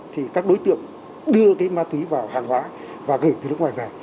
thì các đối tượng đưa cái ma túy vào hàng hóa và gửi từ nước ngoài ra